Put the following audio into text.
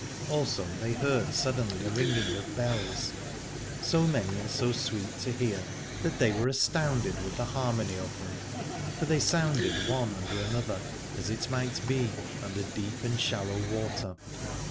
Also they heard suddenly a ring ing of bells, so many and so sweet to hear, 154 Aladore that they were astounded with the harmony of them : for they sounded one under another, as it might be under deep and shallow water.